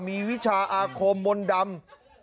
มีวิชาอาคมมนต์ดำ